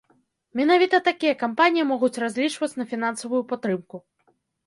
Менавіта такія кампаніі могуць разлічваць на фінансавую падтрымку.